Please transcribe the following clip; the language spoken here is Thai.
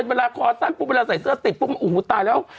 เวลาคอสั้นปุ๊บเวลาใส่เสื้อติดปุ๊บโอ้โหตายแล้ว